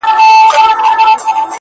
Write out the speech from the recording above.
دا مرغلري خریدار نه لري٫